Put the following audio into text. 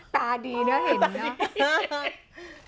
ตาดีนะเห็นนะ